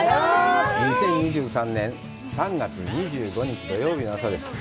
２０２３年３月２５日土曜日の朝です。